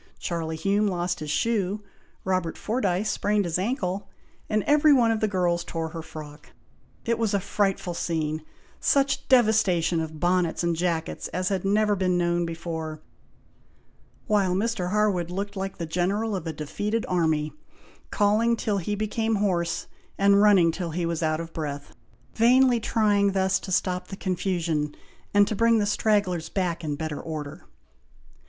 Charlie Hume lost his shoe, Robert Fordyce sprained his ancle, and every one of the girls tore her frock. It was a frightful scene; such devastation of bonnets and jackets as had never been known before; while Mr. Harwood looked like the General of a defeated army, calling till he became hoarse, and running till he was out of breath, vainly trying thus to stop the confusion, and to bring the stragglers back in better order.